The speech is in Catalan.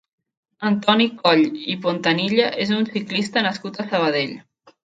Antoni Coll i Pontanilla és un ciclista nascut a Sabadell.